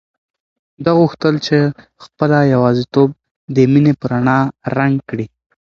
ده غوښتل چې خپله یوازیتوب د مینې په رڼا رنګ کړي.